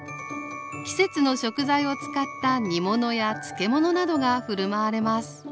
季節の食材を使った煮物や漬物などが振る舞われます。